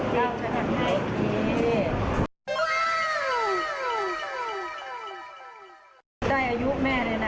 ได้อายุแม่เลยนะ